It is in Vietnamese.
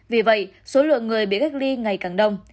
vì vậy số lượng người bị cách ly ngày càng đông